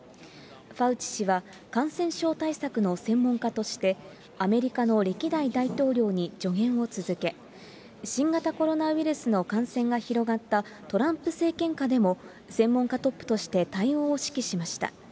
ファウチ氏は感染症対策の専門家として、アメリカの歴代大統領に助言を続け、新型コロナウイルスの感染が広がったトランプ政権下でも、専門家トップとして対応を指揮しました。